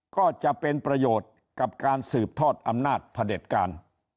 ก็จะเป็นประโยชน์กับการสืบทอดอำนาจพระเด็จการ